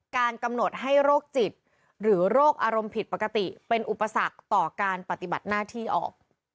การกำหนดให้โรคจิตหรือโรคอารมณ์ผิดปกติเป็นอุปสรรคต่อการปฏิบัติหน้าที่ออก